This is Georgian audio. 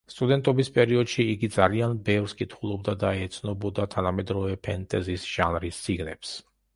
სტუდენტობის პერიოდში იგი ძალიან ბევრს კითხულობდა და ეცნობოდა თანამედროვე ფენტეზის ჟანრის წიგნებს.